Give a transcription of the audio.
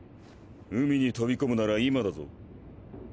海に飛び込むなら今だぞ。